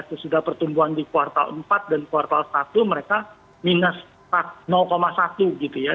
sesudah pertumbuhan di kuartal empat dan kuartal satu mereka minus satu gitu ya